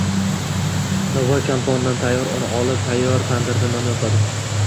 Novvoy kappondan tayyor un olib, tayyor tandirda non yopadi…